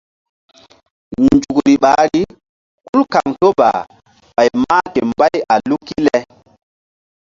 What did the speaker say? Nzukri ɓahri hul kaŋto ba ɓay mah ke mbay a luk le.